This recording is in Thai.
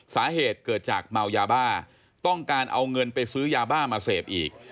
สาเหตุเกิดจากเมายาบ้าต้องการเอาเงินไปซื้อยาบ้ามาเสพอีก